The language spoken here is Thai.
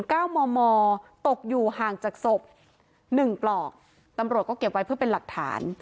เก้ามอมอตกอยู่ห่างจากศพหนึ่งปลอกตำรวจก็เก็บไว้เพื่อเป็นหลักฐาน